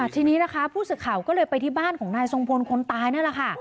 ทีนี้นะคะผู้สื่อข่าวก็เลยไปที่บ้านของนายทรงพลคนตายนั่นแหละค่ะ